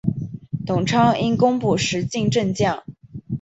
董昌因功补石镜镇将。